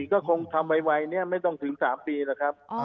ก็คงทำไวไม่ต้องถึง๓ปีหรอกครับ